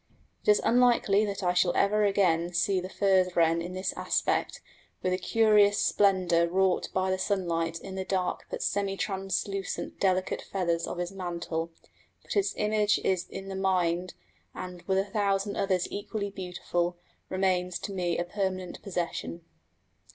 It is unlikely that I shall ever again see the furze wren in this aspect, with a curious splendour wrought by the sunlight in the dark but semi translucent delicate feathers of his mantle; but its image is in the mind, and, with a thousand others equally beautiful, remains to me a permanent possession.